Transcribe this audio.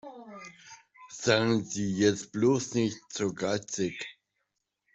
Seien Sie jetzt bloß nicht zu geizig.